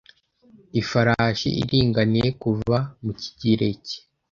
Ifarashi iringaniye kuva mu kigereki